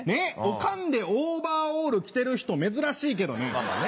オカンでオーバーオール着てる人珍しいけどね。